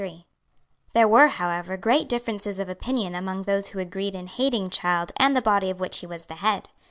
There were, however, great differences of opinion among those who agreed in hating Child and the body of which he was the head.